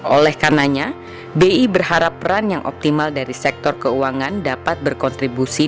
oleh karenanya bi berharap peran yang optimal dari sektor keuangan dapat berkontribusi